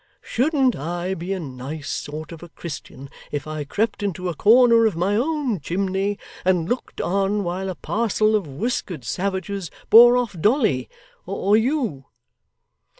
Shouldn't I be a nice sort of a Christian, if I crept into a corner of my own chimney and looked on while a parcel of whiskered savages bore off Dolly or you?